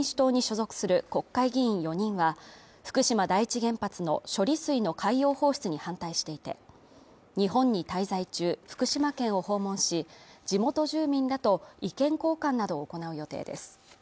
韓国最大野党共に民主党に所属する国会議員４人は福島第一原発の処理水の海洋放出に反対していて、日本に滞在中、福島県を訪問し、地元住民らと意見交換などを行う予定です。